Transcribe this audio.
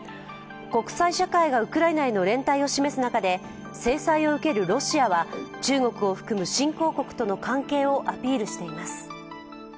国際社会がウクライナへの連帯を示す中で制裁を受けるロシアは中国を含む新興国との関係をアピールしています。